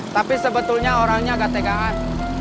tapi sebetulnya orangnya agak tegangan